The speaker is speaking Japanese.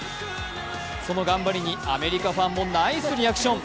その頑張りにアメリカファンもナイスリアクション。